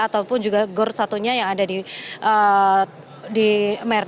ataupun juga gor satunya yang ada di merk